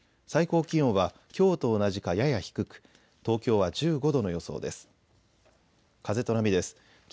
最高気温は、きょうと同じかやや低く東京は１５度の予想です。